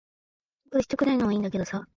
心配してくれるのは良いんだけどさ。